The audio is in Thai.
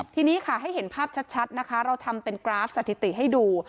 ทีนี้ค่ะให้เห็นภาพชัดนะคะเราทำเป็นกราฟสถิติให้ดู